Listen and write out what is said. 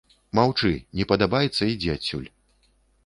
Маўчы, не падабаецца ідзі адсюль.